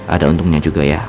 ada untungnya juga ya